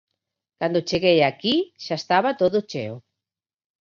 Cando cheguei aquí xa estaba todo cheo.